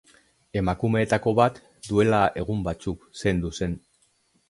Emakumeetako bat duela egun batzuk zendu zen.